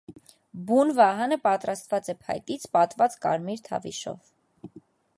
Բուն վահանը պատրաստված է փայտից՝ պատված կարմիր թավիշով։